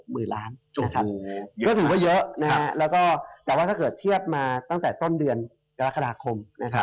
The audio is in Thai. คือถือว่าเยอะนะแต่ว่าถ้าเทียบมาตั้งแต่ต้นเดือนรัชภาคคม